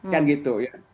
kan gitu ya